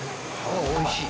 おいしい。